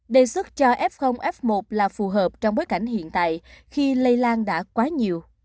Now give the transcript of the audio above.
đề xuất cho f f một là phù hợp trong bối cảnh hiện tại khi lây lan đã quá nhiều